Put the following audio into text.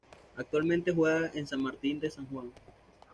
Actualmente juega en San Martin de San Juan.